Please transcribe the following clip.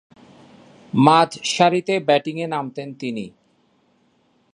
মাঝারিসারিতে ব্যাটিংয়ে নামতেন তিনি।